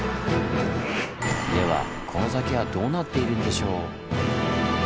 ではこの先はどうなっているんでしょう？